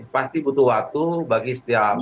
pasti butuh waktu bagi setiap